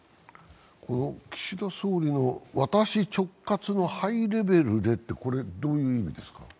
岸田総理の「私直轄のハイレベルで」って、どういう意味ですか？